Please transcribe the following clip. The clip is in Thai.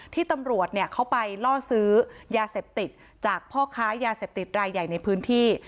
ที่ตำรวจเขาไปล่อซื้อยาเสพติดจากพ่อค้ายาเสพติดรายใหญ่ในพื้นที่